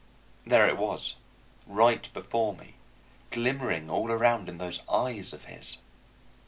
There it was, right before me, glimmering all around in those eyes of his.